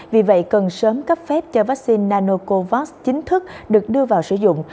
vì vậy cần sớm cấp phép cho vaccine nanocovax chính thức được đưa vào sử dụng